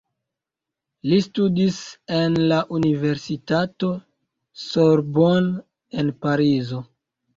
Li studis en la Universitato Sorbonne en Parizo.